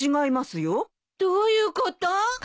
どういうこと？